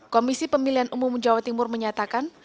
komisi pemilihan umum jawa timur menyatakan